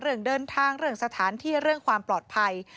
เรื่องเดินทางเรื่องสถานที่เรื่องความปลอดภัย